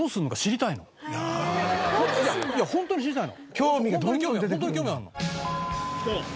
ホントに知りたいの。